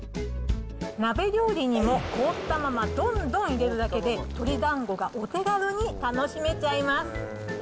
鍋料理にも凍ったままどんどん入れるだけで、鶏だんごがお手軽に楽しめちゃいます。